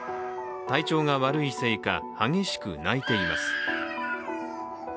体調が悪いせいか、激しく泣いています。